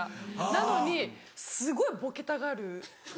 なのにすごいボケたがる。